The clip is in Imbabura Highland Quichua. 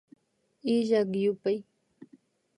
Illak yupay